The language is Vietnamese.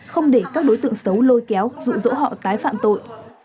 không để các đối tượng xấu lôi kéo rụ rỗ họ tái phạm tội